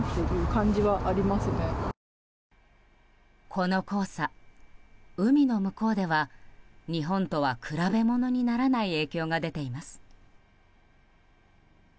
この黄砂、海の向こうでは日本とは比べ物にならない影響が出ています。